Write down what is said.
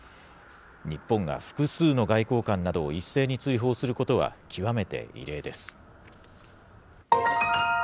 日本が複数の外交官などを一斉に追放することは極めて異例です。